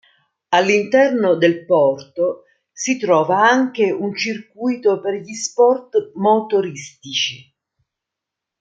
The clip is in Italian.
All'interno del porto si trova anche un circuito per gli sport motoristici.